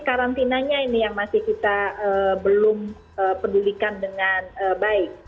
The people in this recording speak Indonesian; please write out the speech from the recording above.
karantinanya ini yang masih kita belum pedulikan dengan baik